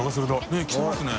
ねぇ着てますね。